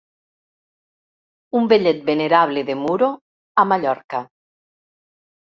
Un vellet venerable de Muro, a Mallorca.